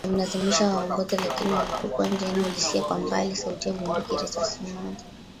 Walimlazimisha awaongoze lakini walipokuwa njiani walisikia kwa mbali sauti ya bunduki risasi moja